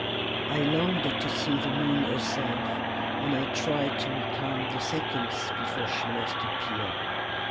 I longed to see the moon herself, and I tried to reckon the seconds before she must appear.